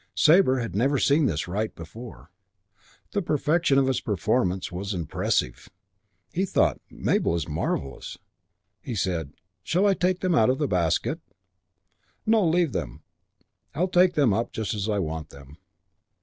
Sabre had never seen this rite before. The perfection of its performance was impressive. He thought, "Mabel is marvellous." He said, "Shall I take them out of the basket?" "No, leave them. I take them up just as I want them."